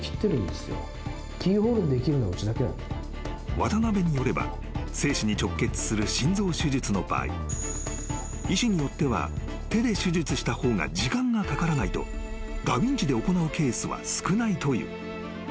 ［渡邊によれば生死に直結する心臓手術の場合医師によっては手で手術した方が時間がかからないとダビンチで行うケースは少ないという］